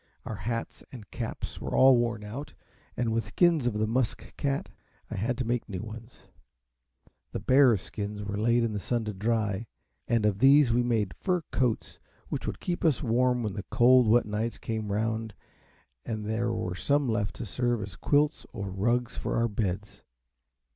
Our hats and caps were all worn out, and with skins of the musk cat I had to make new ones. The bears' skins were laid in the sun to dry, and of these we made fur coats, which would keep us warm when the cold wet nights came round, and there were some left to serve as quilts or rugs for our beds.